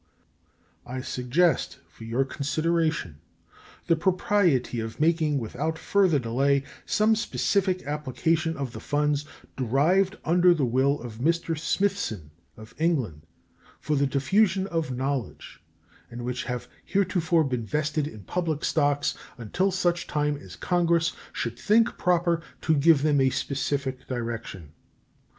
I suggest for your consideration the propriety of making without further delay some specific application of the funds derived under the will of Mr. Smithson, of England, for the diffusion of knowledge, and which have heretofore been vested in public stocks until such time as Congress should think proper to give them a specific direction.